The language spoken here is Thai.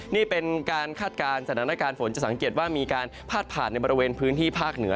นี่เป็นการคาดการณ์สถานการณ์ฝนจะสังเกตว่ามีการพาดผ่านในบริเวณพื้นที่ภาคเหนือ